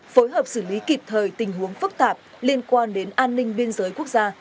phối hợp xử lý kịp thời tình huống phức tạp liên quan đến an ninh biên giới quốc gia